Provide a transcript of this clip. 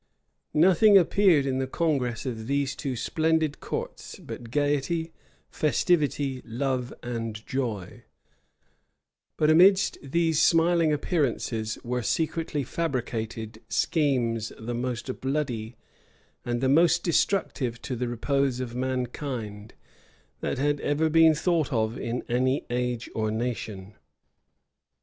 Nothing appeared in the congress of these two splendid courts, but gayety, festivity, love, and joy; but amidst these smiling appearances were secretly fabricated schemes the most bloody, and the most destructive to the repose of mankind, that had ever been thought of in any age or nation.